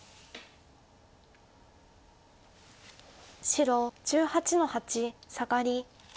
白１８の八サガリ。